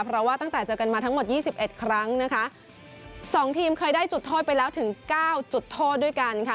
เพราะว่าตั้งแต่เจอกันมาทั้งหมดยี่สิบเอ็ดครั้งนะคะสองทีมเคยได้จุดโทษไปแล้วถึงเก้าจุดโทษด้วยกันค่ะ